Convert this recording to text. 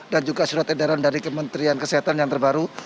dan juga surat edaran dari kementerian kesehatan yang terbaru